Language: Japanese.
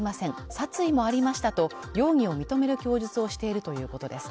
殺意もありましたと容疑を認める供述をしているということです